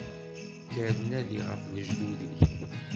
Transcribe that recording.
Kker nadi ɣef lejdud-ik.